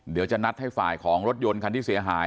เดี๋ยวจะนัดให้ฝ่ายของรถยนต์คันที่เสียหาย